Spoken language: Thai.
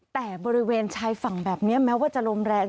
แต่บริเวณชายฝั่งแบบนี้แม้ว่าจะลมแรง